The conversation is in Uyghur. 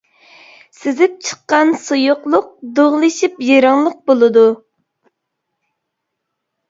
سىزىپ چىققان سۇيۇقلۇق دۇغلىشىپ يىرىڭلىق بولىدۇ.